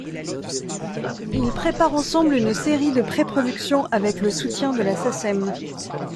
Ils préparent ensemble une série de pré-productions avec le soutien de la Sacem.